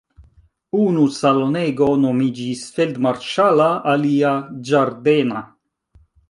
Unu salonego nomiĝis "feldmarŝala" alia "ĝardena".